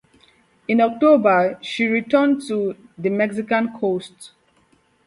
In October, she returned to the Mexican coast.